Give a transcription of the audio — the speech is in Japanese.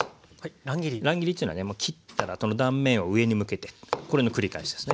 乱切りというのはね切ったらその断面を上に向けてこれの繰り返しですね。